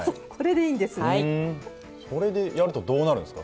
これでやるとどうなるんですか？